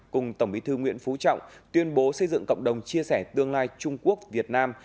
cùng tổng bí thư nguyễn phú trọng tuyên bố xây dựng cộng đồng chia sẻ tương lai trung quốc việt nam